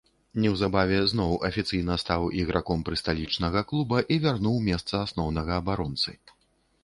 Неўзабаве зноў афіцыйна стаў іграком прысталічнага клуба і вярнуў месца асноўнага абаронцы.